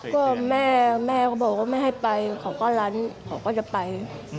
ก็แม่แม่ก็บอกว่าไม่ให้ไปเขาก็ลั้นเขาก็จะไป